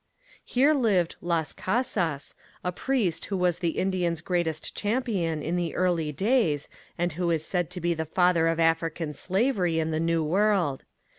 Here lived Las Casas, a priest who was the Indian's greatest champion in the early days and who is said to be the father of African Slavery in the new world.